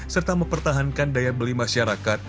serta mempertahankan daya beli masyarakat